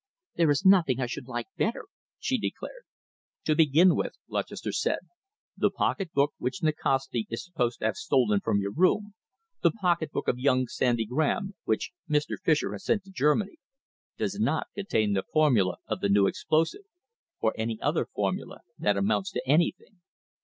"There is nothing I should like better," she declared. "To begin with then," Lutchester said, "the pocketbook which Nikasti is supposed to have stolen from your room, the pocketbook of young Sandy Graham, which Mr. Fischer has sent to Germany, does not contain the formula of the new explosive, or any other formula that amounts to anything."